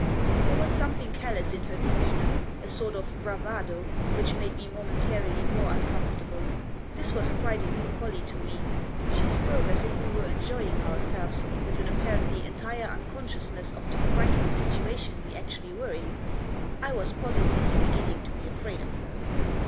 There was something callous in her demeanour, a sort of bravado, which made me momentarily more uncomfortable. This was quite a new Pollie to me. She spoke as if we were enjoying ourselves, with an apparently entire unconsciousness of the frightful situation we actually were in. I was positively beginning to be afraid of her.